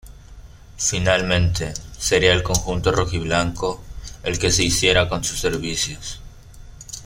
Finalmente, sería el conjunto rojiblanco el que se hiciera con sus servicios.